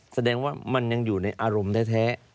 แสดงว่ามันยังอยู่ในอารมณ์แท้